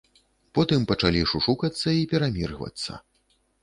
Потым пачалі шушукацца і пераміргвацца.